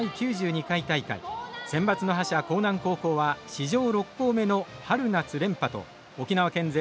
センバツの覇者興南高校は史上６校目の春夏連覇と沖縄県勢